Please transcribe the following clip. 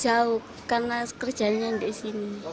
jauh karena kerjanya di sini